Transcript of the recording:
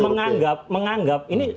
menganggap menganggap ini